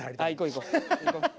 行こう！